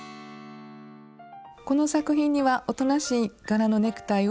この作品にはおとなしい柄のネクタイを使用しています。